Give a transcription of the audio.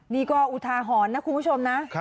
นี่ก็อุทาหรณ์นะคุณผู้ชมนะ